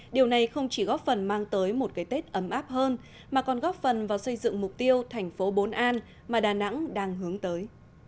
điều này không chỉ góp phần mang tới một cái tết ấm áp hơn mà còn góp phần vào xây dựng mục tiêu thành phố bốn an mà đà nẵng đang hướng tới